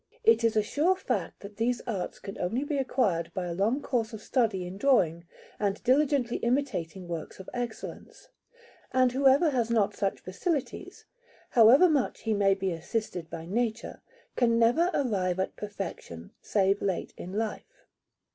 It is a sure fact that these arts can only be acquired by a long course of study in drawing and diligently imitating works of excellence; and whoever has not such facilities, however much he may be assisted by nature, can never arrive at perfection, save late in life.